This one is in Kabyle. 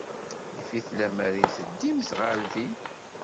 Yif-it lemmer d ay teddimt ɣer din.